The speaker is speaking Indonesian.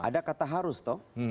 ada kata harus toh